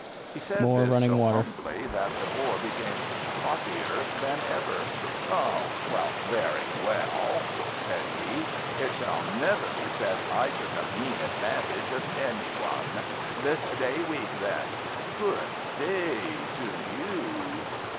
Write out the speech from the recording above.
He said this so humbly that the Boar became haughtier than ever. "Oh, very well," said he, "it shall never be said I took a mean advantage of any one. This day week, then! Good day to you."